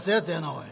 おい。